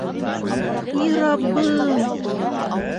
И раббым!..